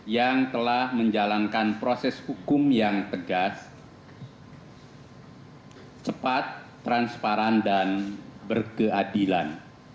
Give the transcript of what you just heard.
yang telah menjalankan proses hukum yang tegas cepat transparan dan berkeadilan